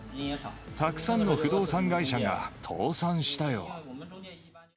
たくさんの不動産会社が倒産したよ。